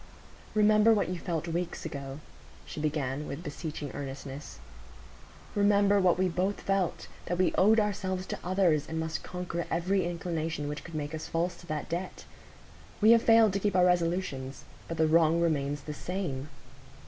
"Remember what you felt weeks ago," she began, with beseeching earnestness; "remember what we both felt,—that we owed ourselves to others, and must conquer every inclination which could make us false to that debt. We have failed to keep our resolutions; but the wrong remains the same."